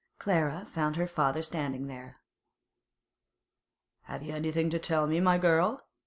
Clara found her father standing there. 'Have you anything to tell me, my girl?